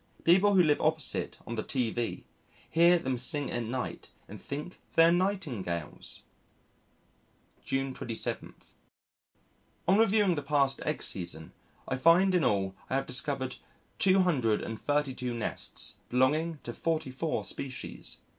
People who live opposite on the T V hear them sing at night and think they are Nightingales! June 27. On reviewing the past egg season, I find in all I have discovered 232 nests belonging to forty four species.